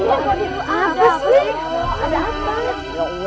iya kok di luar